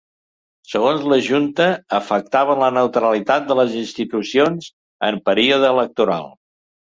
Segons la junta, afectaven la neutralitat de les institucions en període electoral.